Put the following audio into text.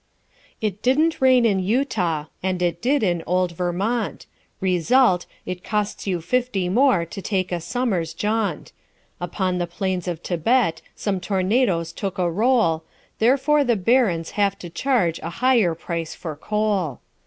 It didn't rain in Utah and it did in old Vermont Result: it costs you fifty more to take a summer's jaunt; Upon the plains of Tibet some tornadoes took a roll Therefore the barons have to charge a higher price for coal.